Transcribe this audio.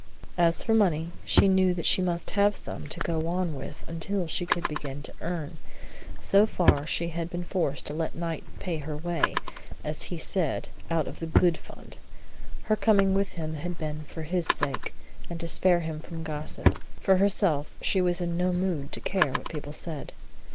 As for money, she knew that she must have some to go on with until she could begin to earn. So far she had been forced to let Knight pay her way, as he said, out of the "good" fund. Her coming with him had been for his sake, and to spare him from gossip. For herself, she was in no mood to care what people said.